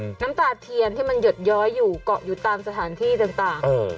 น้ำตาเทียญที่มันหยดย้อยเกาะอยู่ต่างสถานที่